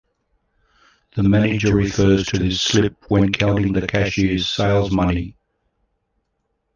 The manager refers to this slip when counting the cashier's sales money.